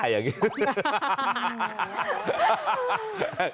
แค่งขา